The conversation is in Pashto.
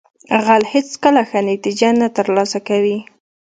غل هیڅکله ښه نتیجه نه ترلاسه کوي